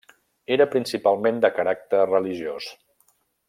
Era principalment de caràcter religiós.